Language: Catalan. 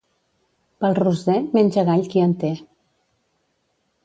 Pel Roser menja gall qui en té.